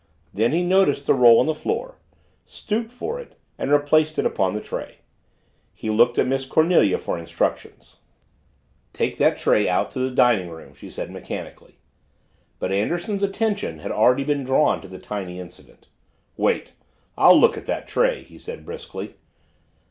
Then he noticed the roll on the floor, stooped for it, and replaced it upon the tray. He looked at Miss Cornelia for instructions. "Take that tray out to the dining room," she said mechanically. But Anderson's attention had already been drawn to the tiny incident. "Wait I'll look at that tray," he said briskly.